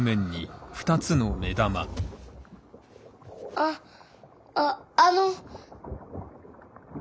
あああの。